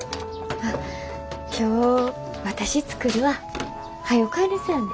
あっ今日私作るわ。はよ帰れそやねん。